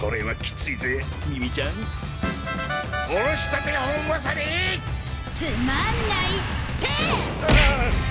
つまんないって！！